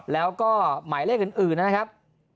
แล้วก็หมายเลขอื่นนะครับ